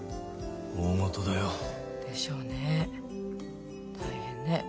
大ごとだよ。でしょうねえ。大変ね。